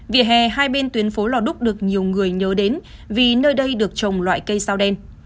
vỉa hè hai bên tuyến phố lò đúc được nhiều người nhớ đến vì nơi đây được trồng loại cây sao đen